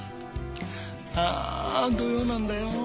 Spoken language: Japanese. あ土曜なんだよ